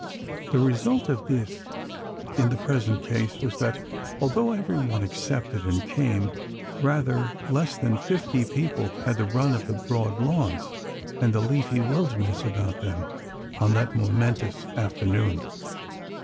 The result of this in the present case was that, although every one accepted and came, rather less than fifty people had the run of the broad lawns and the leafy wilderness about them on that momentous afternoon.